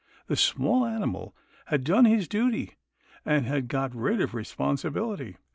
The small animal had done his duty, and had got rid of responsibility.